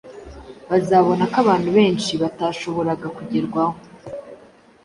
bazabona ko abantu benshi batashoboraga kugerwaho